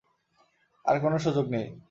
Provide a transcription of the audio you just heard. আর কোনো সুযোগ নেই।